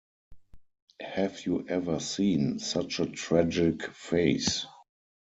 Have you ever seen such a tragic face?